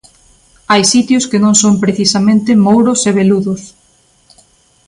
Hai sitios que non son precisamente mouros e veludos.